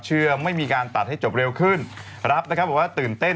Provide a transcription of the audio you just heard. ไม่มีการตัดให้จบเร็วขึ้นรับนะครับบอกว่าตื่นเต้น